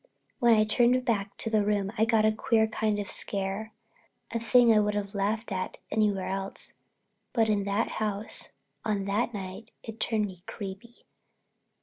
When I turned back to the room I got a queer kind of scare—a thing I would have laughed at anywhere else, but in that house on that night it turned me creepy.